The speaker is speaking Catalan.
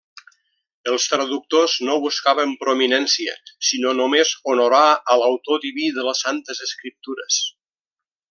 Els traductors no buscaven prominència, sinó només honorar a l'Autor Diví de les Santes Escriptures.